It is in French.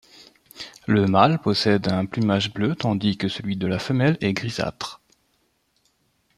Le mâle possède un plumage bleu tandis que celui de la femelle est grisâtre.